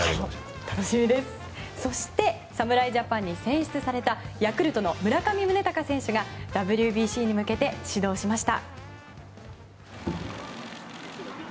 そして、侍ジャパンに選出されたヤクルトの村上宗隆選手がＷＢＣに向けて始動しました。